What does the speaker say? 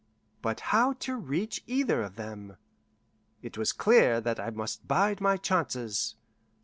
But how to reach either of them? It was clear that I must bide my chances.